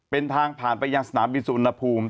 เป็นทางผ่านไปยังสนามบินสุวรรณภูมิ